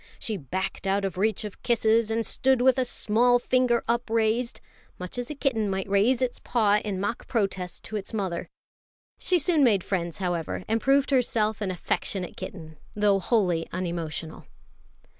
She backed out of reach of kisses, and stood with a small finger upraised; much as a kitten might raise its paw in mock protest to its mother. She soon made friends, however, and proved herself an affectionate kitten, though wholly unemotional.